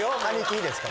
いいですか？